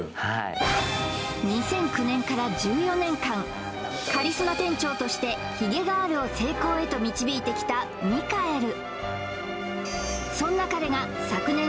２００９年から１４年間カリスマ店長としてひげガールを成功へと導いてきたミカエル